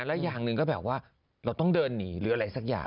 แล้วอย่างหนึ่งก็แบบว่าเราต้องเดินหนีหรืออะไรสักอย่าง